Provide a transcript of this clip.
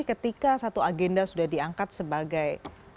ketika satu agenda sudah diangkat sebagai